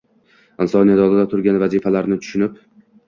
insoniyat oldida turgan vazifalarni tushunib